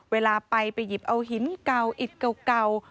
เวลาไปไปหยิบเอาหินเก่าอิดเก่า